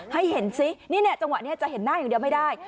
ให้เห็นซินี่จังหวะนี้จะเห็นหน้าอย่างเดียวไม่ได้